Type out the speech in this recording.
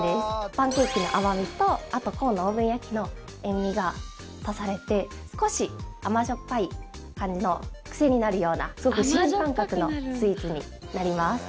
パンケーキの甘味とあと、コーンのオーブン焼きの塩味が足されて少しあまじょっぱい感じの癖になるような新感覚のスイーツになります。